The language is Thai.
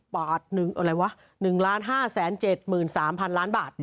๑๕แสน๗หมื่น๓พันล้านบาท